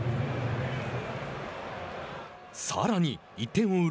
さらに、１点を追う